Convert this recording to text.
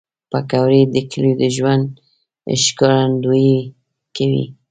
پکورې د کلیو د ژوند ښکارندویي کوي